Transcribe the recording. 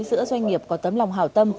giữa doanh nghiệp có tấm lòng hào tâm